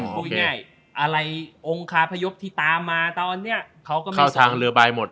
พูดง่ายอะไรองค์คาพยพที่ตามมาตอนนี้เขาก็มีทางเรือใบหมด